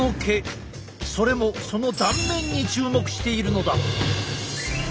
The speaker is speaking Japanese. それもその断面に注目しているのだ！